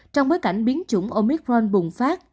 trong bối cảnh biến chủng omicron bùng phát